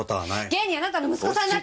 現にあなたの息子さんだって！